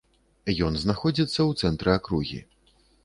Ён знаходзіцца ў цэнтры акругі.